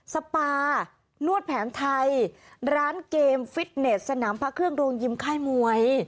สปานวดแผนไทยร้านเกมฟิตเน็ตสนามพระเครื่องโรงยิมค่ายมวย